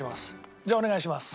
じゃあお願いします。